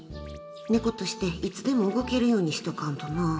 猫として、いつでも動けるようにしとかんとな。